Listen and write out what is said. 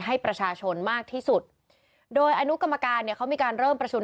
ให้ประชาชนมากที่สุดโดยอนุกรรมการเนี่ยเขามีการเริ่มประชุม